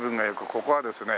ここはですね